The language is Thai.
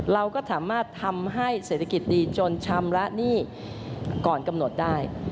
เราก็สามารถทำให้เศรษฐกิจดีจนชำระหนี้ก่อนกำหนดได้